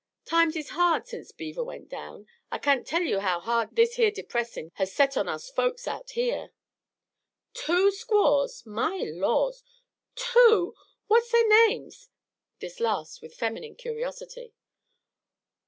Times is hard sence beaver went down. I kain't tell ye how hard this here depressin' has set on us folks out here." "Two squaws! My laws! Two what's their names?" This last with feminine curiosity.